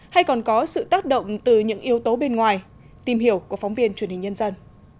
hay còn có sự tác động từ những yếu tố bên ngoài tìm hiểu của phóng viên truyền hình nhân dân